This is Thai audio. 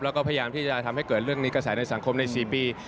แล้วก็พยายามที่จะทำให้เกิดเรื่องนี้กระแสในสังคมใน๔ปี